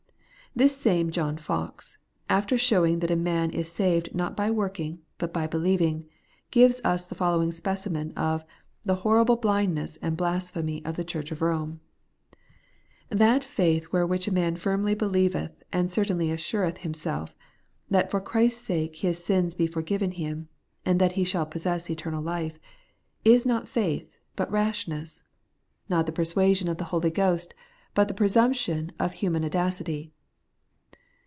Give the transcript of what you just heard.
This same John Fox:e, after showing that a man is saved not by working, but by believing, gives us the following specimen of 'the horrible blindness and blasphemy ' of the Church of Home :' That faith wherewith a man firmly believeth and certainly assureth himself, that for Christ's sake his sins be forgiven him, and that he shall possess eternal life, is not faith, but rashness ; not the persuasion of the Hie Pardon and the Peace made sure. 149 Holy Ghost, but the presumptian of human audacity.''